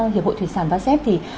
hiệp hội thủy sản và xép